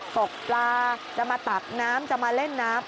ตกปลาจะมาตักน้ำจะมาเล่นน้ำ